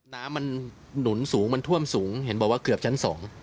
น้ำมันหนุนสูงมันท่วมสูงเห็นบอกว่าเกือบชั้น๒